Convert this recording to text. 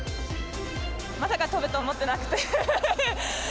まさか飛ぶと思ってなくて。